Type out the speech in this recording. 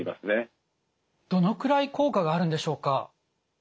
どのくらい効果があるんでしょうか？